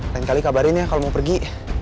lain kali kabarin ya kalau mau pergi